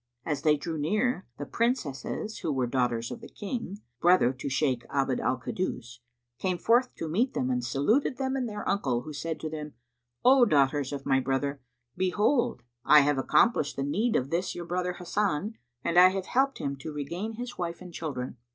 As they drew near, the Princesses who were daughters of the King, brother to Shaykh Abd al Kaddus, came forth to meet them and saluted them and their uncle who said to them, "O daughters of my brother, behold, I have accomplished the need of this your brother Hasan and have helped him to regain his wife and children."